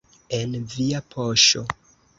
En via poŝo.